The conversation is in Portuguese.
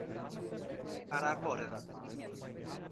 Araporã